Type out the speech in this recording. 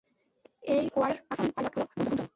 এই কোয়ার্টারের top performing pilot হলো গুঞ্জন!